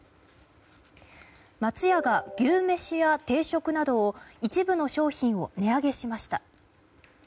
松屋が牛めしや定食など一部の商品を値上げしました。